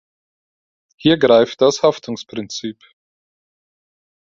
Hier greift das Haftungsprinzip.